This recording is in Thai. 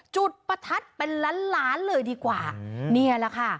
จุดประทัดเป็นล้านล้านเลยดีกว่านี่แหละค่ะ